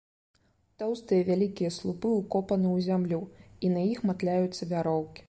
Тоўстыя, вялікія слупы ўкопаны ў зямлю, і на іх матляюцца вяроўкі.